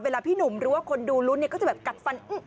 เวลาพี่หนุ่มรู้ว่าคนดูรุ้นเนี่ยก็จะแบบกัดฟันอื้ม